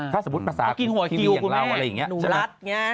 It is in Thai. ถ้าสมมุติภาษาทีวีอย่างเราอะไรอย่างนี้ใช่ไหม